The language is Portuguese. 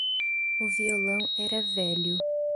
O vioão era velho.